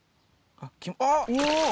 あっ！